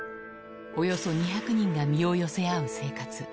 およそ２００人が身を寄せ合う生活。